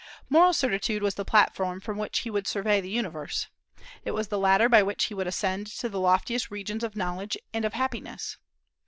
"Moral certitude was the platform from which he would survey the universe." It was the ladder by which he would ascend to the loftiest regions of knowledge and of happiness.